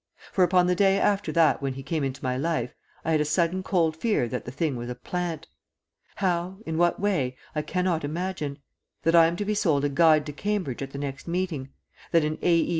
For, upon the day after that when he came into my life, I had a sudden cold fear that the thing was a plant. How, in what way, I cannot imagine. That I am to be sold a Guide to Cambridge at the next meeting; that an A. E.